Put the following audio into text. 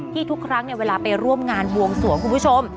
ที่ทุกครั้งเนี่ยเวลาไปร่วมงานวงสวงครูผู้ชม